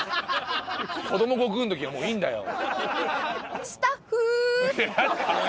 子供悟空のときはもういいんだよ。